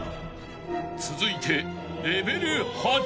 ［続いて］